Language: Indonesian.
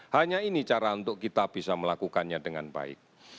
hanya ini cara untuk kita bisa melakukannya dengan baik